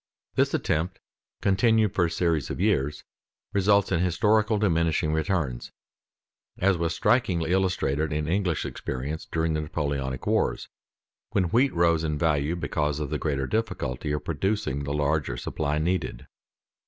This attempt continued for a series of years results in historical diminishing returns, as was strikingly illustrated in English experience during the Napoleonic wars, when wheat rose in value because of the greater difficulty of producing the larger supply needed.